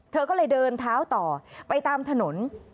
เธอก็เลยเดินเท้าต่อไปตามถนน